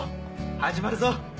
始まるぞ。